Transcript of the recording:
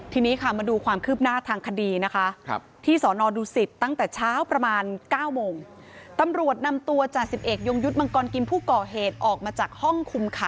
ทีนี้ค่ะมาดูความคืบหน้าทางคดีที่สวนอดูสิทธิ์ตั้งแต่เช้าประมาณ๙โมง